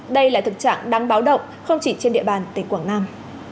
đây là thực trạng đáng báo động không chỉ trên địa bàn tỉnh quảng nam